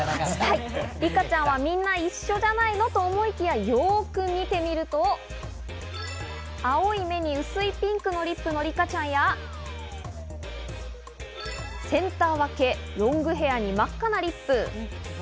リカちゃんはみんな一緒じゃないの？と思いきや、よく見てみると、青い目に薄いピンクのリップのリカちゃんや、センター分け、ロングヘアに、真っ赤なリップ。